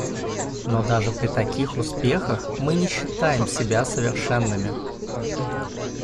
Но даже при таких успехах, мы не считаем себя совершенными.